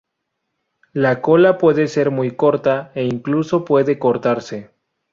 La cola puede ser muy corta e incluso puede cortarse.